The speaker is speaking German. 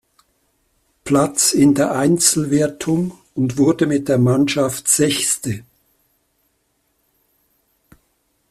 Platz in der Einzelwertung und wurde mit der Mannschaft Sechste.